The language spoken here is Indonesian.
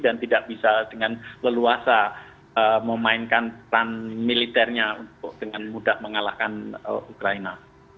dan tidak bisa dengan leluasa memainkan peran militernya dengan mudah mengalahkan ukraina